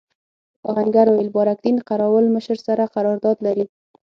آهنګر وویل بارک دین قراوول مشر سره قرارداد لري.